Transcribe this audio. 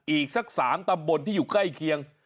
อีกสัก๓ตำบลที่อยู่ใกล้เคียง